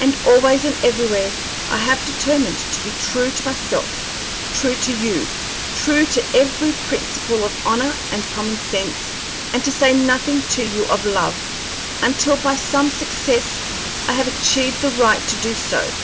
And always and everywhere I have determined to be true to myself, true to you, true to every principle of honor and common sense, and to say nothing to you of love until by some success I have achieved the right to do so.